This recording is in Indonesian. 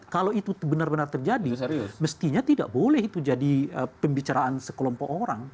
kalau itu benar benar terjadi mestinya tidak boleh itu jadi pembicaraan sekelompok orang